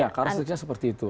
ya karakteristiknya seperti itu